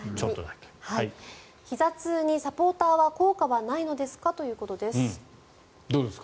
ひざ痛にサポーターは効果はないんですか？ということです。